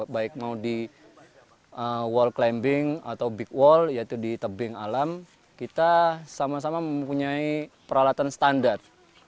baik mau di wall climbing atau big wall yaitu di tebing alam kita sama sama mempunyai peralatan standar